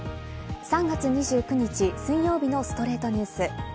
３月２９日、水曜日の『ストレイトニュース』。